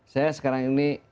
saya sekarang ini